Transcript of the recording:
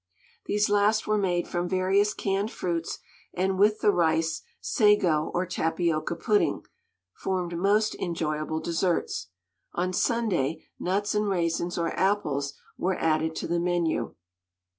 These last were made from various canned fruits, and with the rice, sago or tapioca pudding, formed most enjoyable desserts. On Sunday nuts and raisins or apples were added to the menu.